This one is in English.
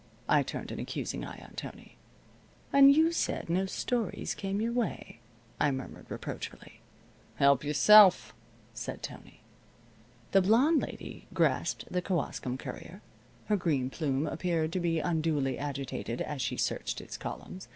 I turned an accusing eye on Tony. "And you said no stories came your way," I murmured, reproachfully. "Help yourself," said Tony. The blonde lady grasped the Kewaskum Courier. Her green plume appeared to be unduly agitated as she searched its columns.